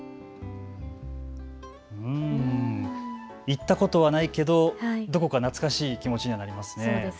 行ったことはないけど、どこか懐かしい気持ちにはなりますね。